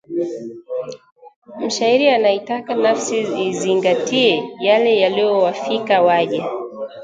mshairi anaitaka nafsi izingatie yale yaliowafika waja